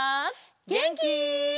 げんき？